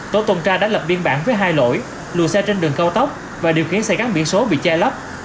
tổ tuần tra đã lập biên bản với hai lỗi lùi xe trên đường cao tốc và điều khiến xe gắn biển số bị che lấp